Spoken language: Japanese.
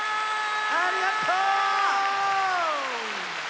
ありがとう！